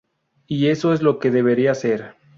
Y eso es lo que debería ser.